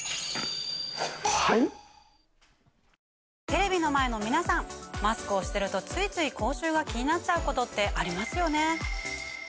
テレビの前の皆さんマスクをしてるとついつい口臭が気になっちゃうことってありますよね？